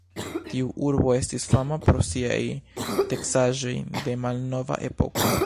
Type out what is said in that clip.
Tiu urbo estis fama pro siaj teksaĵoj de malnova epoko.